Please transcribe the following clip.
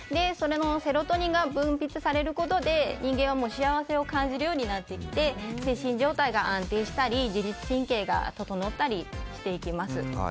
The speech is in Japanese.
セロトニンが分泌されることで人間は幸せを感じるようになってきて精神状態が安定したり自律神経が整ったりしていきます。